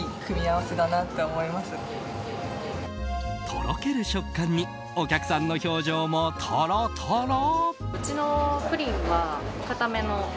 とろける食感にお客さんの表情もトロトロ。